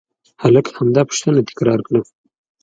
هلک همدا پوښتنه تکرار کړه.